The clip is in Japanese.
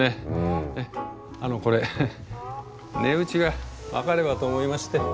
あのこれ値打ちが分かればと思いまして。